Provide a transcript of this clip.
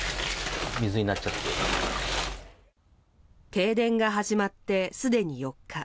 停電が始まってすでに４日。